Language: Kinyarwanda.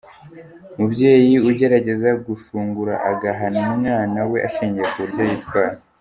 Umubyeyi ugerageza gushungura agahana umwana we ashingiye ku buryo yitwara.